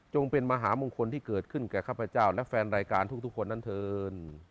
เป็นมหามงคลที่เกิดขึ้นแก่ข้าพเจ้าและแฟนรายการทุกคนนั้นเถิน